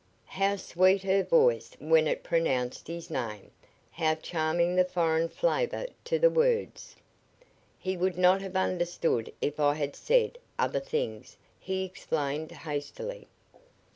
How sweet her voice when it pronounced his name, how charming the foreign flavor to the words. "He would not have understood if I had said other things," he explained, hastily.